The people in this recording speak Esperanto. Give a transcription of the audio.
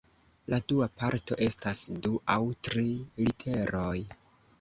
La dua parto estas du aŭ tri literoj.